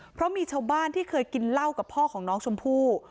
เพราะมีชาวบ้านที่เคยกินเหล้ากับพ่อของน้องชมพู่